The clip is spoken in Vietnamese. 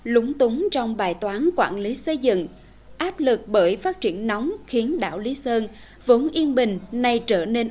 lúng túng trong bài toán quản lý xây dựng áp lực bởi phát triển nóng khiến đảo lý sơn vốn yên bình nay trở nên